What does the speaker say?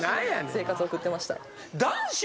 生活送ってました。